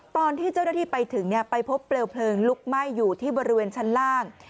ตอนที่เจ้าหน้าที่ไปถึงไปพบเปลวเพลิงลุกไหม้อยู่ที่บริเวณชั้นล่าง